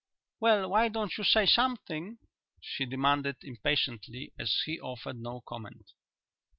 "Well; why don't you say something?" she demanded impatiently, as he offered no comment.